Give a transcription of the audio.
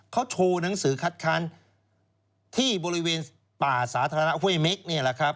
เขาโชว์หนังสือคัดค้านที่บริเวณป่าสาธารณะห้วยเม็กนี่แหละครับ